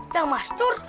yang mas tur